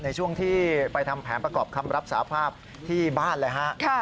ในช่วงที่ไปทำแผนประกอบคำรับสาภาพที่บ้านเลยฮะ